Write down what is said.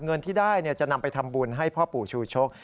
เงินที่ได้จะนำไปทำบุญให้พ่อปู่ชูชก